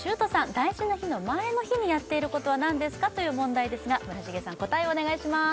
大事な日の前の日にやっていることは何ですかという問題ですが村重さん答えをお願いします